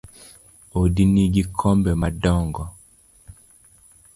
Odi nigi kombe madongo